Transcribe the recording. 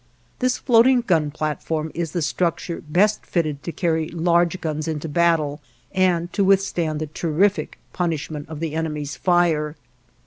This floating gun platform is the structure best fitted to carry large guns into battle, and to withstand the terrific punishment of the enemy's fire.